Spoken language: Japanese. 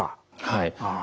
はい。